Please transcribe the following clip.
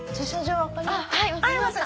はい分かりました。